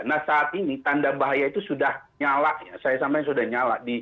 nah saat ini tanda bahaya itu sudah nyala saya sampaikan sudah nyala